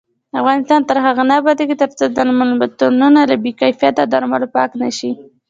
افغانستان تر هغو نه ابادیږي، ترڅو درملتونونه له بې کیفیته درملو پاک نشي.